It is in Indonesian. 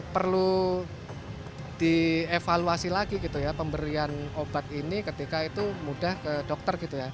perlu dievaluasi lagi pemberian obat ini ketika itu mudah ke dokter